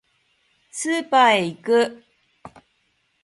スーパーへ行く